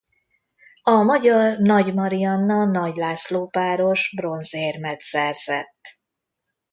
A magyar Nagy Marianna–Nagy László-páros bronzérmet szerzett.